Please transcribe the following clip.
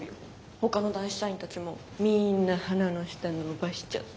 ほかの男子社員たちもみんな鼻の下伸ばしちゃって。